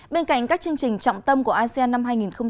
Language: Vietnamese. bên cạnh các chương trình trọng tâm của asean năm hai nghìn hai mươi